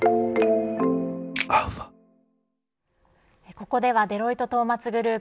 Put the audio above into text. ここではデロイトトーマツグループ